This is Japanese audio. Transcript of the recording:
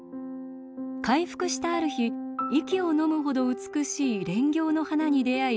回復したある日息をのむほど美しい連翹の花に出会い